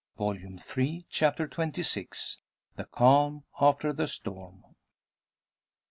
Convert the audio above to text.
Volume Three, Chapter XXVI. THE CALM AFTER THE STORM.